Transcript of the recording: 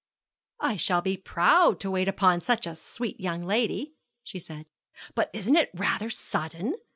'I shall be proud to wait upon such a sweet young lady,' she said. 'But isn't it rather sudden?